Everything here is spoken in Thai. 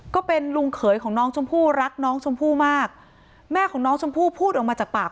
ก็เป็นลุงเขยของน้องชมพู่รักน้องชมพู่มากแม่ของน้องชมพู่พูดออกมาจากปาก